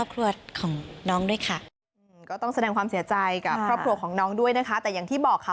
ก็ต้องแสดงความเสียใจกับครอบครัวของน้องด้วยนะคะ